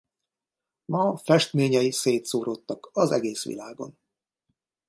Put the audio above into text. Ma festményei szétszóródtak az egész világon.